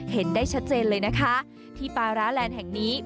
เห็นได้ชัดเจนเลยนะคะที่ปาร้าแลนด์แห่งนี้